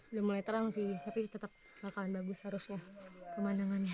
udah mulai terang sih tapi tetap bakalan bagus harusnya pemandangannya